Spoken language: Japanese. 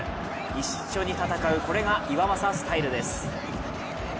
一緒に戦う、これが岩政スタイルです。